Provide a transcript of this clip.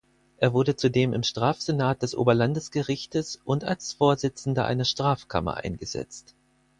Er wurde zudem im Strafsenat des Oberlandesgerichtes und als Vorsitzender einer Strafkammer eingesetzt.